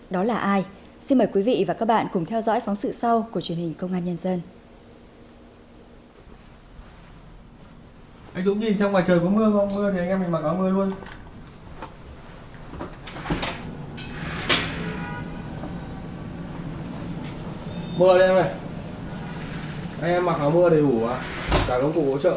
đó là ai xin mời quý vị và các bạn cùng theo dõi phóng sự sau của truyền hình công an nhân dân